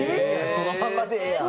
そのままでええやん。